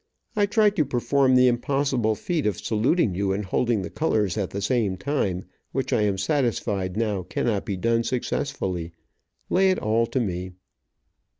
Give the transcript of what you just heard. I tried to perform the impossible feat of saluting you and holding the colors at the same time, which I am satisfied now cannot be done successfully. Lay it all to me."